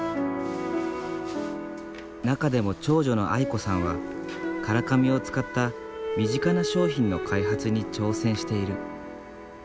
中でも長女の愛子さんは唐紙を使った身近な商品の開発に挑戦している。